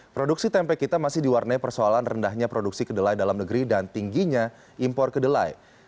produksi tempe kita masih diwarnai persoalan rendahnya produksi kedelai dalam negeri dan tingginya impor kedelai